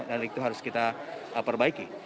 dan itu harus kita perbaiki